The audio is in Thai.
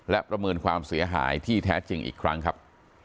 และประเมินความเสียหายที่แท้จริงอีกครั้งครับ